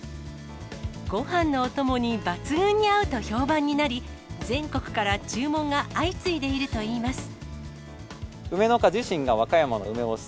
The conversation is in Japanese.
ごはんのお供に抜群に合うと評判になり、全国から注文が相次いでいるといいます。